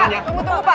tunggu pak tunggu pak